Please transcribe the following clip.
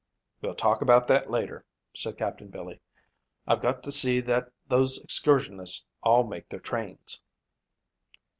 "We'll talk about that later," said Captain Billy. "I've got to see that those excursionists all make their trains."